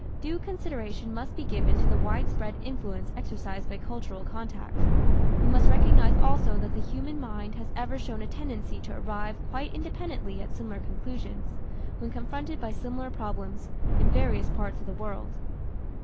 Due consideration must be given to the widespread influence exercised by cultural contact. We must recognize also that the human mind has ever shown a tendency to arrive quite independently at similar conclusions, when confronted by similar problems, in various parts of the world.